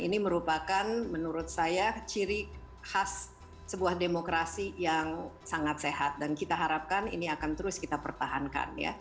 ini merupakan menurut saya ciri khas sebuah demokrasi yang sangat sehat dan kita harapkan ini akan terus kita pertahankan